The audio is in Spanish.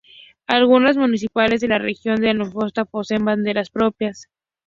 Algunas municipalidades de la Región de Antofagasta poseen banderas propias.